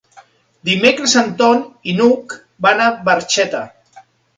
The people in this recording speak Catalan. Dimecres en Ton i n'Hug van a Barxeta.